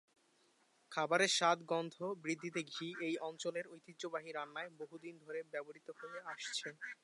খাবারের স্বাদ- গন্ধ বৃদ্ধিতে ঘি এই অঞ্চলের ঐতিহ্যবাহী রান্নায় বহুদিন ধরে ব্যবহৃত হয়ে আসছে।